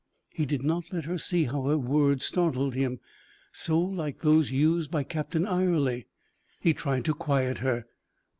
He did not let her see how her words startled him so like those used by Captain Ayrley. He tried to quiet her.